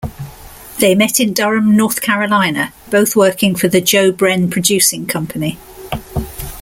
They met in Durham, North Carolina, both working for the Joe Bren Producing Company.